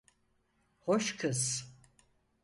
Hoş kız.